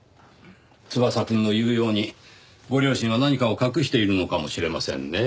翼くんの言うようにご両親は何かを隠しているのかもしれませんねぇ。